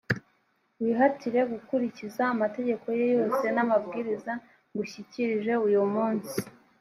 wihatire gukurikiza amategeko ye yose n’amabwiriza ngushyikirije uyu munsi,